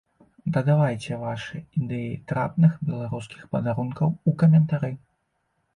Дадавайце вашы ідэі трапных беларускіх падарункаў у каментары.